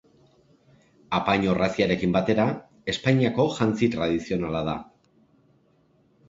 Apain-orraziarekin batera, Espainiako jantzi tradizionala da.